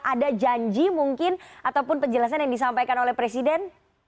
ada janji mungkin ataupun penjelasan yang disampaikan oleh presiden